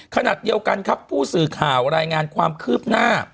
ขณะเดียวกันครับผู้สื่อข่าวรายงานความคืบหน้า